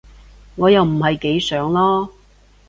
我又唔係幾想囉